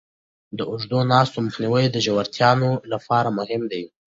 د اوږدو ناستو مخنیوی د روژهتیانو لپاره مهم دی.